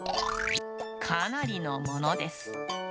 かなりのものです。